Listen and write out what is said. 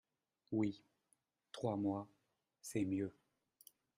Oui, trois mois, c’est mieux.